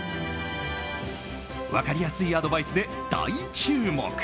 分かりやすいアドバイスで大注目。